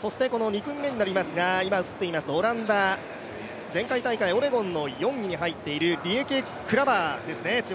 そして２組目になりますがオランダ、前回大会オレゴンの４位に入っているリエケ・クラバーですね、注目。